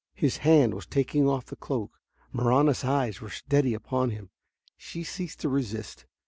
His hand was taking off the cloak. Marahna's eyes were steady upon him. She ceased to resist.